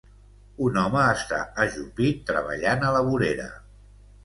Un home està ajupit treballant a la vorera.